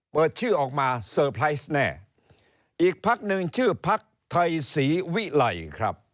เปิดชื่อออกมาเซอร์ไพรส์แน่อีกพักหนึ่งชื่อพักไทยศรีวิไลครับ